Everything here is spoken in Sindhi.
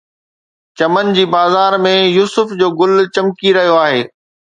چمن جي بازار ۾ يوسف جو گل چمڪي رهيو آهي